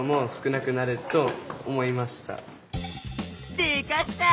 でかした！